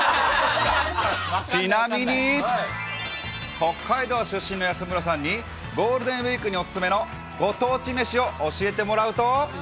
ちなみに、北海道出身の安村さんに、ゴールデンウィークにお勧めのご当地飯を教えてもらうと。